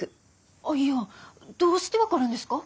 アイヤーどうして分かるんですか？